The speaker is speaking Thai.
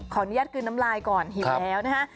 ขออนุญาตกลืนน้ำลายก่อนเห็นแล้วนะฮะ